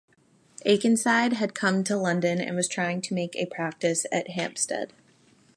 Akenside had come to London and was trying to make a practice at Hampstead.